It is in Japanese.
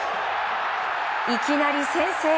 いきなり先制。